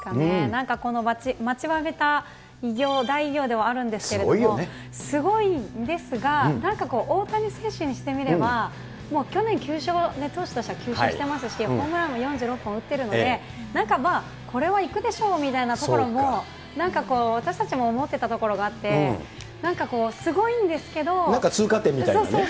なんかこの待ちわびた偉業、大偉業ではあるんですけれども、すごいんですが、なんかこう、大谷選手にしてみれば、もう去年、投手としては９勝してますし、ホームランも４６本打ってるので、なんかまあ、これはいくでしょうみたいなところもなんかこう、私たちも思ってたところがあって、なんかこう、なんか通過点みたいなね。